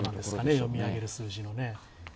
読み上げる数字のね。